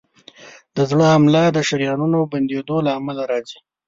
د زړه حمله د شریانونو بندېدو له امله راځي.